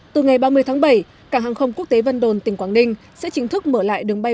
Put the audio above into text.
từ ngày ba mươi tháng bảy cảng hàng không quốc tế vân đồn tỉnh quảng ninh sẽ chính thức mở lại đường bay